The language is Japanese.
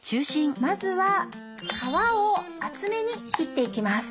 まずは皮を厚めに切っていきます。